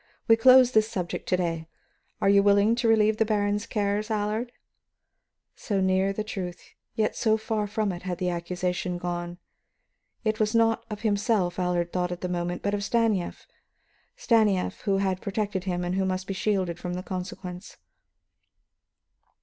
We close this subject to day. Are you willing to relieve the baron's cares, Allard?" So near the truth, and yet so far from it, had the accusation gone. It was not of himself Allard thought at the moment, but of Stanief, Stanief, who had protected him and who must be shielded from the consequence.